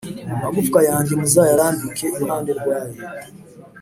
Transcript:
amagufwa yanjye muzayarambike iruhande rw’aye,